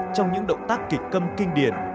trong những động tác kịch câm kinh điển